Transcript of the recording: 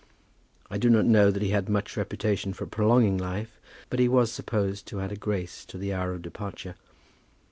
I do not know that he had much reputation for prolonging life, but he was supposed to add a grace to the hour of departure.